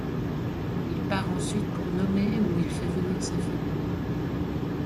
Il part ensuite pour Nome où il fait venir sa famille.